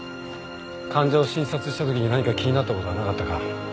患者を診察したときに何か気になったことはなかったか？